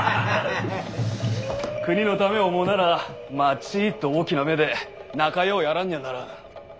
国のためを思うならまちっと大きな目で仲ようやらんにゃならん。